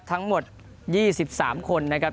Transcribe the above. ทั้งหมด๒๓คนนะครับ